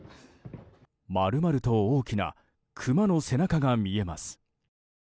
丸々と大きなクマの背中が見えます。